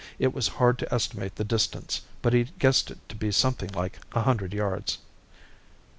It was hard to estimate the distance, but he guessed it to be something like a hundred yards.